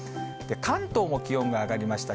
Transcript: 関東も気温が上がりました。